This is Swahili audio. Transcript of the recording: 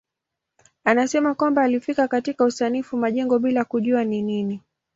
Anasema kwamba alifika katika usanifu majengo bila kujua ni nini.